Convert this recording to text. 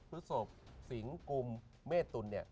ศุศบสิงค์กุมเมตุลเนี่ย